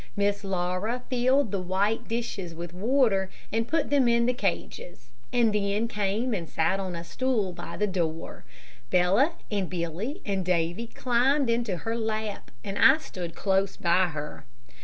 Miss Laura filled the little white dishes with water and put them in the cages, and then came and sat on a stool by the door. Bella, and Billy, and Davy climbed into her lap, and I stood close by her.